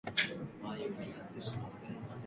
The main crops were rye and buckwheat.